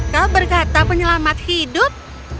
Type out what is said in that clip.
kau berkata penyelamat hidup